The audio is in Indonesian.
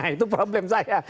itu problem saya